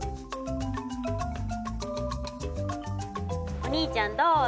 お兄ちゃんどうぞ。